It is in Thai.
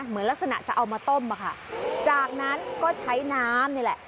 เหมือนลักษณะจะเอามาต้มอะค่ะจากนั้นก็ใช้น้ำนี่แหละ